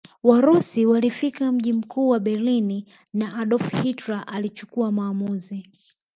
Warusi walifika mji mkuu wa Berlini na Adolf Hitler alichukua maamuzi